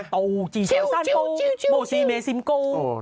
โต้จีชัวร์สั้นโก้โบซีเบซิมโก้